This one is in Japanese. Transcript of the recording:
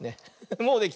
もうできた。